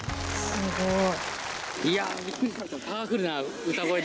すごーい！